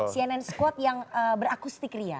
cnn squad yang berakustik ria